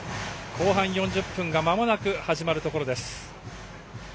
後半４０分がまもなく始まるところです。